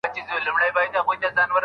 په دنيا کي بهتر نعمت صالحه ميرمن ده.